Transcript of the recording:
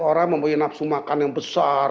orang mempunyai nafsu makan yang besar